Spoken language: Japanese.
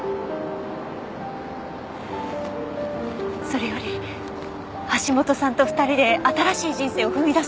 それより橋本さんと２人で新しい人生を踏み出す方が。